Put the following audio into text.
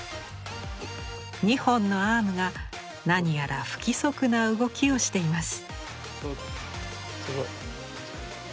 ２本のアームが何やら不規則な動きをしています。